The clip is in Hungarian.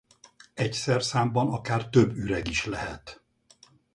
Egy szerszámban akár több üreg is lehet.